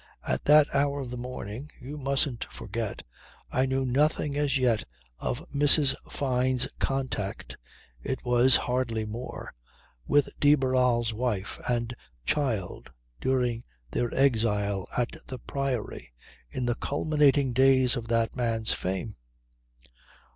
At that hour of the morning, you mustn't forget, I knew nothing as yet of Mrs. Fyne's contact (it was hardly more) with de Barral's wife and child during their exile at the Priory, in the culminating days of that man's fame.